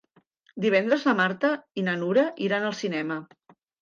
Divendres na Marta i na Nura iran al cinema.